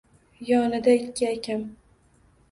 Yonida ikki akam